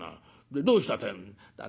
でどうしたってえんだ」。